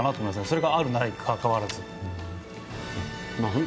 それがあるかないかに関わらず。